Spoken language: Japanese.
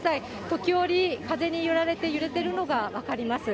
時折、風に揺られて、揺れてるのが分かります。